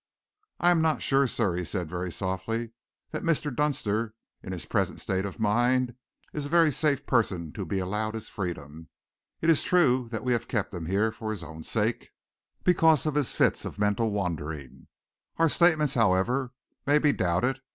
"I am not sure, sir," he said very softly, "that Mr. Dunster, in his present state of mind, is a very safe person to be allowed his freedom. It is true that we have kept him here for his own sake, because of his fits of mental wandering. Our statements, however, may be doubted.